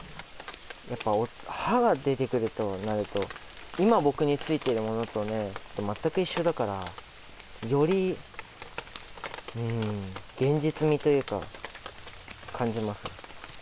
やっぱ歯が出てくるとなると、今、僕についているものとね、全く一緒だから、より現実味というか、感じます。